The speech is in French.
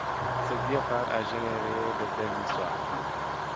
Ce vieux phare a généré de belles histoires.